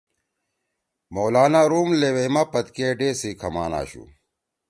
مولانا روم لیویئی ما پدکے ڈےسی کھمان آشُو۔